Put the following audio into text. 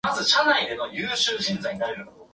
除菌スプレーを使用してください